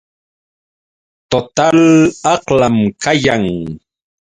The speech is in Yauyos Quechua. Total aqlam kayan.